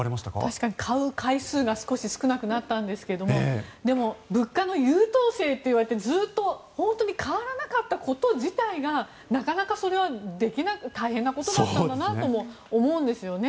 確かに買う回数が少し少なくなったんですけどもでも、物価の優等生っていわれてずっと本当に変わらなかったこと自体がなかなかそれはできない大変なことだったんだなと思うんですよね。